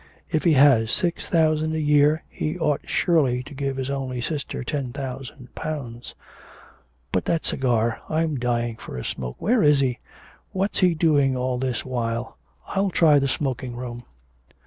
If he has six thousand a year, he ought surely to give his only sister ten thousand pounds. But that cigar I am dying for a smoke. Where is he? What's he doing all this while? I'll try the smoking room.'